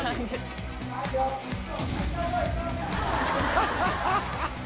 ハハハハ！